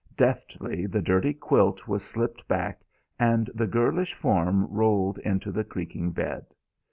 Deftly the dirty quilt was slipped back and the girlish form rolled into the creaking bed.